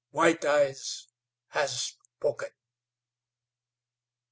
White Eyes has spoken."